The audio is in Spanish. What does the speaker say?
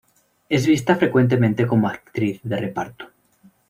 Es vista frecuentemente como actriz de reparto.